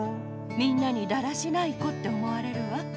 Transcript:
みんなにだらしない子って思われるわ。